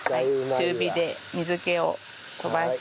中火で水気を飛ばして。